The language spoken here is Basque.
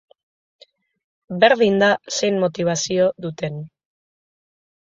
Berdin da zein motibazio duten.